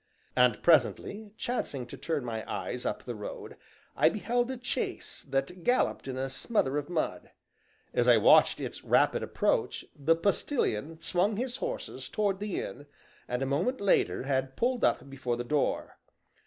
And presently, chancing to turn my eyes up the road, I beheld a chaise that galloped in a smother of mud. As I watched its rapid approach, the postilion swung his horses towards the inn, and a moment later had pulled up before the door.